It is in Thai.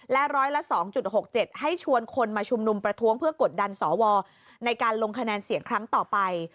และร้อยละ๒๖๗ให้ชวนคนมาชุมนุมประท้วงเพื่อกดดันสวในการลงคะแนนเสียงครั้งต่อไป